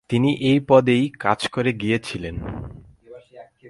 তিনি এই পদেই কাজ করে গিয়েছিলেন।